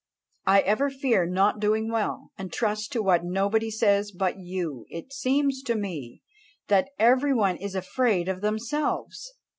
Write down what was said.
"I ever fear not doing well, and trust to what nobody says but you. It seems to me that every one is afraid of themselves.